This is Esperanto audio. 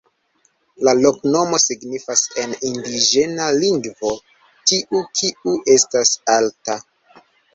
La loknomo signifas en indiĝena lingvo: tiu kiu estas alta.